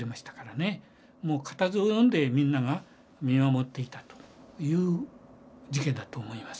固唾をのんでみんなが見守っていたという事件だと思います。